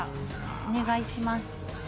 お願いします。